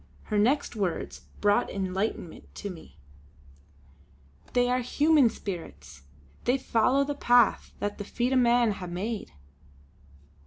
Her next words brought enlightenment to me: "They are human spirits; they follow the path that the feet o' men hae made!"